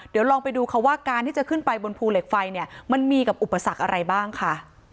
เดี๋ยวลองไปดูค่ะว่าการที่จะขึ้นไปบนภูเหล็กไฟเนี่ยมันมีกับอุปสรรคอะไรบ้างค่ะ